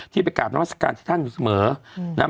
ที่ไปกราบนวัฒกาลที่ท่านอยู่เสมอ